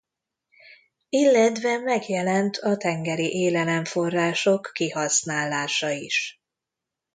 Illetve megjelent a tengeri élelemforrások kihasználása is.